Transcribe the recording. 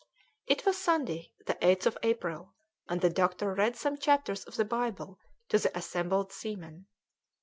It was Sunday, the 8th of April, and the doctor read some chapters of the Bible to the assembled seamen.